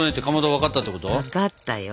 分かったよ。